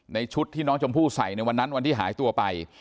ชุดที่น้องชมพู่ใส่ในวันนั้นวันที่หายตัวไป